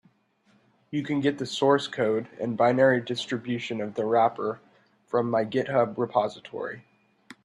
You can get the source code and binary distribution of the wrapper from my github repository.